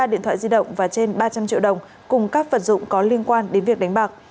ba điện thoại di động và trên ba trăm linh triệu đồng cùng các vật dụng có liên quan đến việc đánh bạc